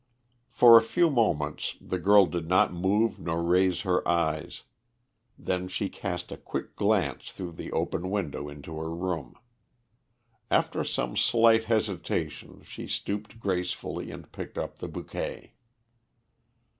For a few moments the girl did not move nor raise her eyes; then she cast a quick glance through the open window into her room. After some slight hesitation she stooped gracefully and picked up the bouquet.